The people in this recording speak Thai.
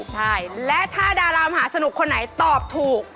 ใช่และถ้าดารามหาสนุกคนไหนตอบถูก